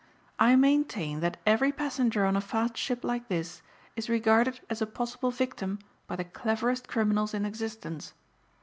I maintain that every passenger on a fast ship like this is regarded as a possible victim by the cleverest criminals in existence.